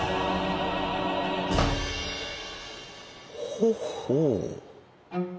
ほほう。